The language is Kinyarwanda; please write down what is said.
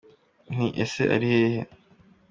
Nti : ese ari hehe ?